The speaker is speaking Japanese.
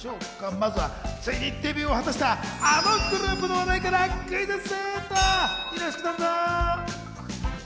まずはついにデビューを果たしたあのグループの話題からクイズッス。